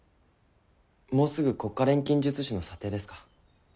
もうすぐ国家錬金術師の査定ですか？